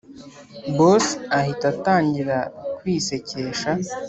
boss ahita atangira kwisekesha